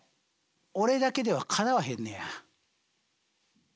俺だけではかなわへんねや。